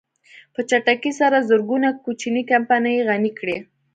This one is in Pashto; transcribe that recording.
په چټکۍ سره زرګونه کوچنۍ کمپنۍ يې غني کړې.